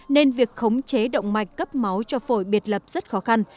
nên việc khống chế động mạch cấp máu cho phổi biệt lập rất khó khăn